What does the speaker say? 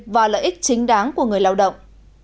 và lợi ích chính đáng của người lao động